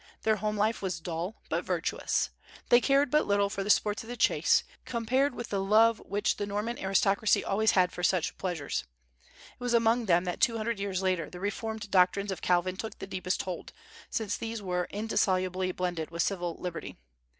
Their home life was dull, but virtuous. They cared but little for the sports of the chase, compared with the love which the Norman aristocracy always had for such pleasures. It was among them that two hundred years later the reformed doctrines of Calvin took the deepest hold, since these were indissolubly blended with civil liberty.